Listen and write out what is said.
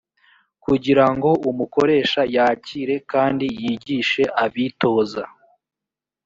kugira ngo umukoresha yakire kandi yigishe abitoza